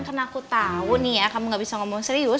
karena aku tau nih ya kamu gak bisa ngomong serius